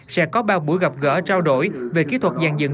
sẽ có ba buổi gặp gỡ trao đổi về kỹ thuật dàn dừng